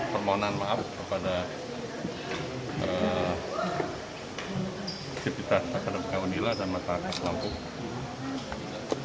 permohonan maaf kepada civitas akademika unila dan masyarakat lampung atas peristiwa ini